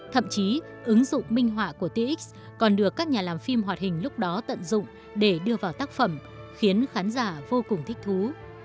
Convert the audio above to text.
thậm chí ứng dụng minh họa của tix còn được các nhà làm phim hoạt hình lúc đó tận dụng để đưa vào tác phẩm khiến khán giả vô cùng thích thú